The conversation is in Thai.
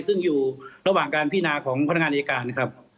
ซึ่งอยู่ระหว่างการพินาของพนักงานอายการนะครับ